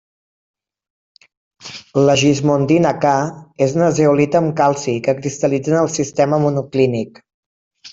La gismondina-Ca és una zeolita amb calci que cristal·litza en el sistema monoclínic.